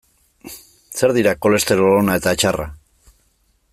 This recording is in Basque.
Zer dira kolesterol ona eta txarra?